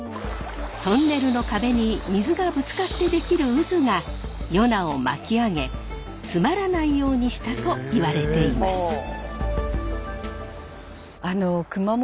トンネルの壁に水がぶつかって出来る渦がヨナを巻き上げ詰まらないようにしたといわれています。